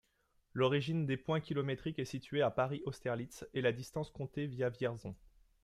L'origine des points kilométriques est située à Paris-Austerlitz et la distance comptée via Vierzon.